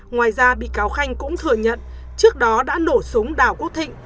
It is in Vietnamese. ngoài ra bị cáo khanh cũng thừa nhận trước đó đã nổ súng đào quốc thịnh